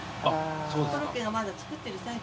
コロッケがまだ作ってる最中。